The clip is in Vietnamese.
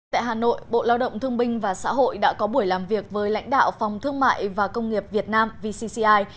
tại hà nội bộ lao động thương binh và xã hội đã có buổi làm việc với lãnh đạo phòng thương mại và công nghiệp việt nam vcci